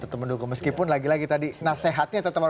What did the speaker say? tetap mendukung meskipun lagi lagi tadi nasihatnya tetap harus